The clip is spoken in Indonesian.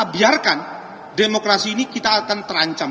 biarkan demokrasi ini kita akan terancam